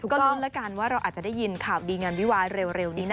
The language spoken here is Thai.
ก็ลุ้นแล้วกันว่าเราอาจจะได้ยินข่าวดีงานวิวาเร็วนี้นะคะ